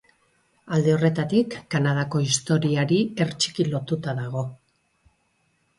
Alde horretatik, Kanadako historiari hertsiki lotuta dago.